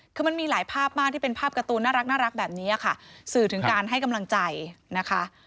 คือมันมีหลายภาพมากที่เป็นภาพการ์ตูนน่ารักแบบนี้ค่ะสื่อถึงการให้กำลังใจนะคะ